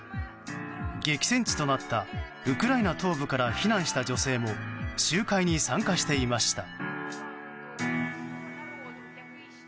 激戦地となったウクライナ東部から避難した女性も集会に参加していました。